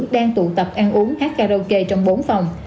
đang tụ tập ăn uống hát karaoke trong bốn phòng